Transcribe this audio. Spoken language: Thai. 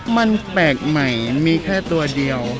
มันแปลกใหม่มีแค่ตัวเดียว